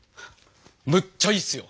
むっちゃいいっすよ！